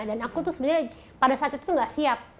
dan aku tuh sebenarnya pada saat itu gak siap